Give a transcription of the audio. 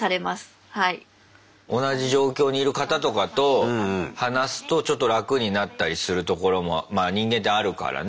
同じ状況にいる方とかと話すとちょっと楽になったりするところもまあ人間ってあるからね。